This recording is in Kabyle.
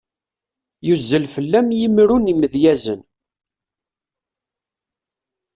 Yuzzel fell-am yimru n yimedyazen.